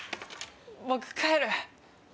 僕帰る。